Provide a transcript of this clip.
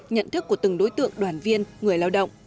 nhận thức của từng đối tượng đoàn viên người lao động